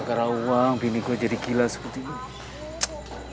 karena uang bini gue jadi gila seperti ini